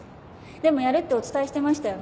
でもやるってお伝えしてましたよね？